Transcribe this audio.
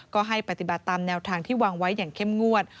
ก็ให้ปฏิบัติตามแนวทางที่วางไว้อย่างเข้มงวด